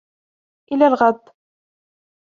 إلى الغد.